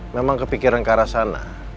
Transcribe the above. memang kepikiran ke arah sana